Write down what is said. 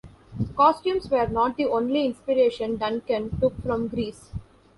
Costumes were not the only inspiration Duncan took from Greece.